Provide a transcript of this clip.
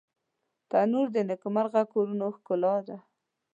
تنور د نیکمرغه کورونو ښکلا ده